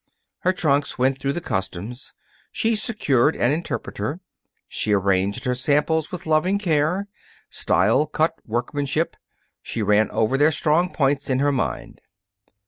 Her trunks went through the customs. She secured an interpreter. She arranged her samples with loving care. Style, cut, workmanship she ran over their strong points in her mind.